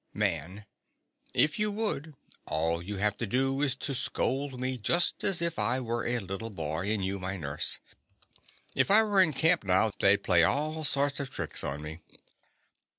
MAN. If you would, all you have to do is to scold me just as if I were a little boy and you my nurse. If I were in camp now they'd play all sorts of tricks on me.